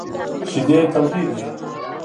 شیدې تودې دي !